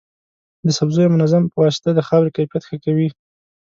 د سبزیو منظم پواسطه د خاورې کیفیت ښه کوي.